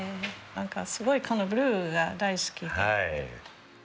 何かすごいこのブルーが大好きで。